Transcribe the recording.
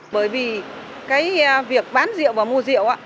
bởi vì cái việc bán rượu và mua rượu